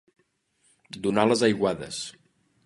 Donar les aiguades.